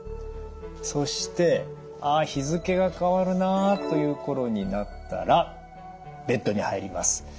そしてあ日付が変わるなという頃になったらベッドに入ります。